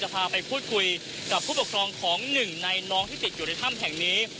พาไปพูดคุยกับผู้ปกครองของหนึ่งในน้องที่ติดอยู่ในถ้ำแห่งนี้